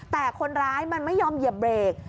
แต่คนร้ายมันไม่ยอมเหยียบเบรก